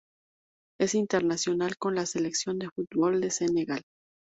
Es internacional con la selección de fútbol de Senegal.